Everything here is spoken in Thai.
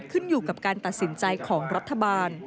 ขึ้นอยู่กับการตัดสินใจของรัฐบาล